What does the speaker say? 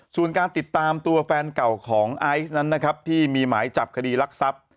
ส่วนการติดตามตัวแฟนเก่าของไอซ์นั้นนะครับที่มีหมายจับคดีรักทรัพย์